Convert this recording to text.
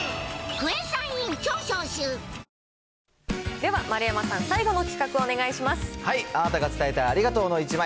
では丸山さん、あなたが伝えたいありがとうの１枚。